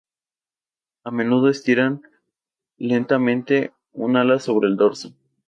A menudo estiran lentamente un ala sobre el dorso.